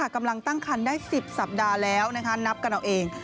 กำลังตั้งคันได้๑๐สัปดาห์แล้วนับกันเอาเอง